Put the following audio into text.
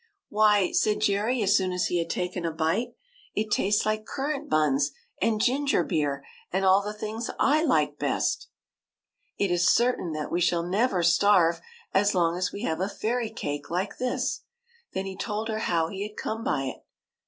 "Why," said Jerry, as soon as he had taken a bite, '' it tastes like currant buns and ginger beer and all the things / like best. It is cer* 172 THE KITE THAT tain that we shall never starve as long as we have a fairy cake like this." Then he told her how he had come by it.